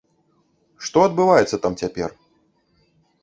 Што адбываецца там цяпер?